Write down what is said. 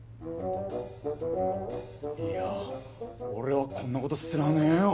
いや俺はこんな事知らねえよ。